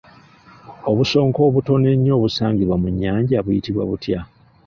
Obusonko obutono ennyo obusangibwa mu nnyanja buyitibwa butya?